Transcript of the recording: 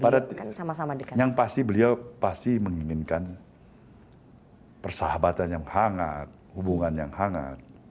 yang pasti beliau pasti menginginkan persahabatan yang hangat hubungan yang hangat